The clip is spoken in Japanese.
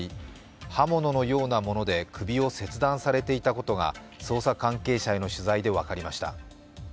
刃物のようなもので首を切断されていたことが捜査関係者への取材で分かりました。